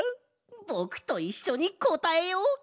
ぼくといっしょにこたえよう！